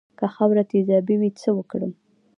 که خاوره تیزابي وي څه وکړم؟